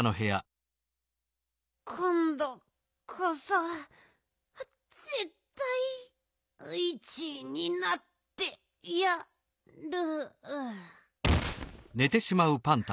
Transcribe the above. こんどこそぜったい１いになってやる。